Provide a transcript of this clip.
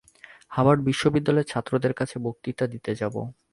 Harvard বিশ্ববিদ্যালয়ের ছাত্রদের কাছে বক্তৃতা দিতে যাব।